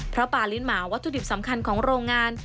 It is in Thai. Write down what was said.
เพราะปลาลิ้นหมาวัตถุดิบสำคัญของโรงงาน